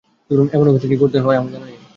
এমন অবস্থায় কী করতে হয় আমার জানা নেই।